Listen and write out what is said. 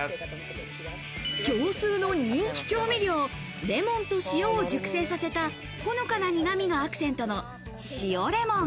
業スーの人気調味料、レモンと塩を熟成させたほのかな苦みがアクセントの塩レモン。